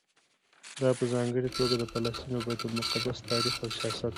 دا په ځانګړي توګه د فلسطین او بیت المقدس تاریخ او سیاست دی.